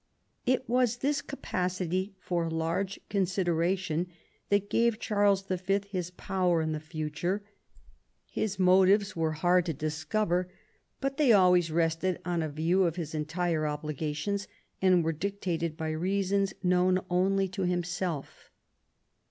It was this capacity, for large consideration that gave Charles V. his power in the future ; his motives were hard to discover, but they always rested on a view of his entire obligations, and were dictated by reasons known only to himself.